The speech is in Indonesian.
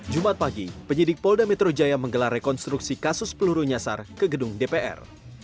jumat pagi penyidik polda metro jaya menggelar rekonstruksi kasus peluru nyasar ke gedung dpr